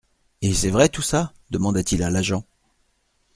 Et c'est vrai tout ça ? demanda-t-il à l'agent.